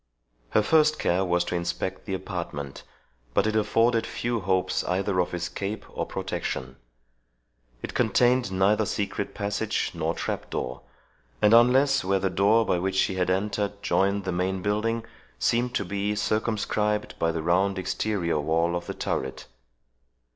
Her first care was to inspect the apartment; but it afforded few hopes either of escape or protection. It contained neither secret passage nor trap door, and unless where the door by which she had entered joined the main building, seemed to be circumscribed by the round exterior wall of the turret.